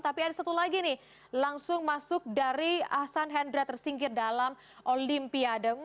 tapi ada satu lagi nih langsung masuk dari ahsan hendra tersingkir dalam olimpiade